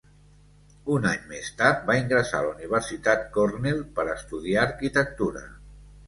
Un any més tard va ingressar a la Universitat Cornell per estudiar arquitectura.